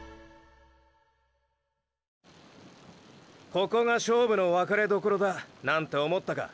ここが勝負の分かれどころだなんて思ったか。